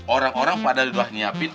orang orang padahal sudah nyiapin